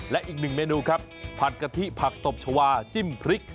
และอีกหนึ่งเมนูครับผัดกะทิผักตบชาวาจิ้มพริก